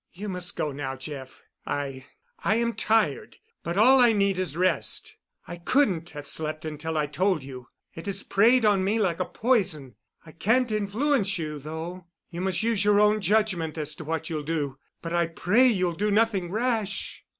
"You must go now, Jeff. I—I am tired. But all I need is rest. I couldn't have slept until I told you. It has preyed on me like a poison. I can't influence you, though. You must use your own judgment as to what you'll do, but I pray you'll do nothing rash."